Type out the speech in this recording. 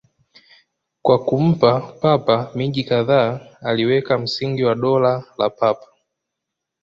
Kwa kumpa Papa miji kadhaa, aliweka msingi wa Dola la Papa.